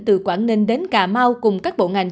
từ quảng ninh đến cà mau cùng các bộ ngành